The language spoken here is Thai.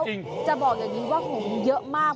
จะบอกอย่างนี้ว่าหงเยอะมาก